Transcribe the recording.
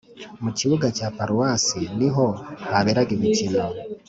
mu kibuga cya paruwasi niho haberaga imikino